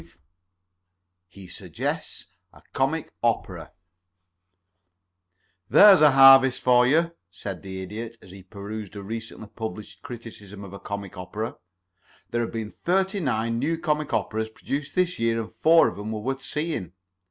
V HE SUGGESTS A COMIC OPERA "There's a harvest for you," said the Idiot, as he perused a recently published criticism of a comic opera. "There have been thirty nine new comic operas produced this year and four of 'em were worth seeing.